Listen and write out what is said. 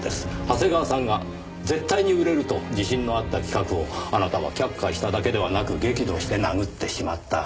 長谷川さんが絶対に売れると自信のあった企画をあなたは却下しただけではなく激怒して殴ってしまった。